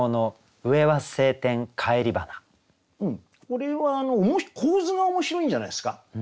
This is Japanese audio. これは構図が面白いんじゃないですか。